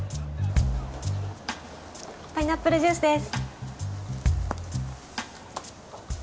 パイナップルジュースです。